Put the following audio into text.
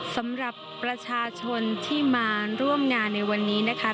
สำหรับประชาชนที่มาร่วมงานในวันนี้นะคะ